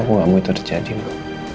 aku nggak mau itu terjadi bu